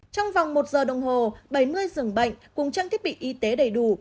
trong vòng một giờ đồng hồ bảy mươi giường bệnh cùng trang thiết bị y tế đầy đủ